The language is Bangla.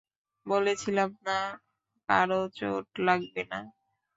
বলেছিলাম না কারো চোট লাগবে না।